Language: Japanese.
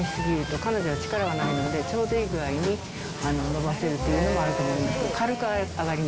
彼女は力がないので、ちょうどいい具合に伸ばせるというのもあると思います。